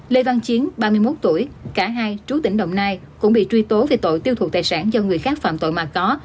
lê văn chiến ba mươi một tuổi cả hai trú tỉnh đồng nai cũng bị truy tố về tội tiêu thụ tài sản do người khác phạm tội mà có